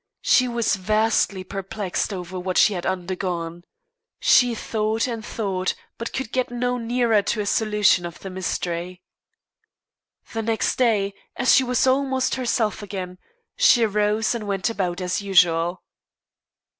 She was vastly perplexed over what she had undergone. She thought and thought, but could get no nearer to a solution of the mystery. Next day, as she was almost herself again, she rose and went about as usual.